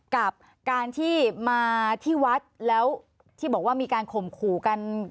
กับการที่มาที่วัดแล้วที่บอกว่ามีการข่มขู่กัน